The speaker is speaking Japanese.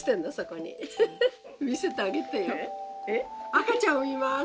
赤ちゃん産みます。